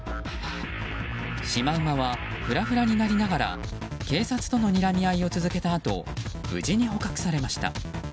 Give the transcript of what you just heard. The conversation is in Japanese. シマウマはふらふらになりながら警察とのにらみ合いを続けたあと無事に捕獲されました。